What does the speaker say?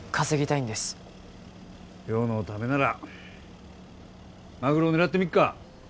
亮のためならマグロ狙ってみっか？